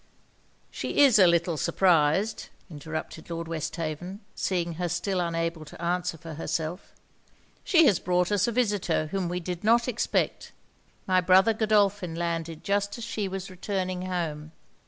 'She is a little surprised,' interrupted Lord Westhaven, seeing her still unable to answer for herself. 'She has brought us a visitor whom we did not expect. My brother Godolphin landed just as she was returning home.'